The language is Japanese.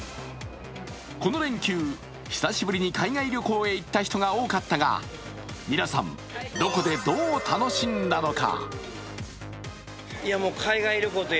この連休、久しぶりに海外旅行へ行った人が多かったが皆さん、どこでどう楽しんだのか。